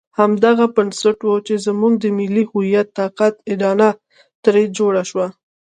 همدغه بنسټ وو چې زموږ د ملي هویت طاقت اډانه ترې جوړه وه.